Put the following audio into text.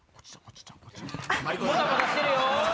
もたもたしてるよ！